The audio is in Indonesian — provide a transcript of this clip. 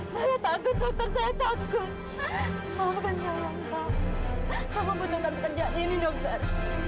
saya takut dokter saya takut maafkan saya mbak semua butuhkan pekerjaan ini dokter